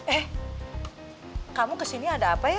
eh kamu kesini ada apa ya